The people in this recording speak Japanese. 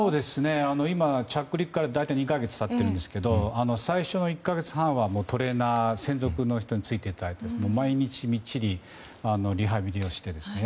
今、着陸から大体２か月経ってるんですけど最初の１か月半は専属のトレーナーの人についていただいて毎日みっちりリハビリをして。